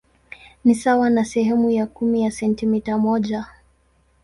Ni sawa na sehemu ya kumi ya sentimita moja.